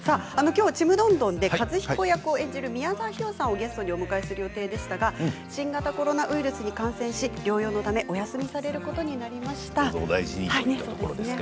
きょうは「ちむどんどん」で和彦役を演じる宮沢氷魚さんをゲストにお迎えする予定でしたが新型コロナウイルスに感染して療養のためお休みすることになりました。